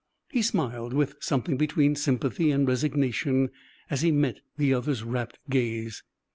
He smiled, with something between sympathy and resignation as he met the other's rapt gaze.